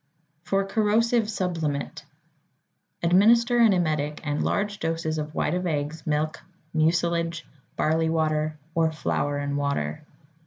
=For Corrosive Sublimate.= Administer an emetic and large doses of white of eggs, milk, mucilage, barley water, or flour and water.